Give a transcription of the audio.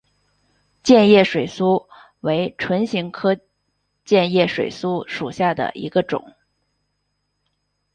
箭叶水苏为唇形科箭叶水苏属下的一个种。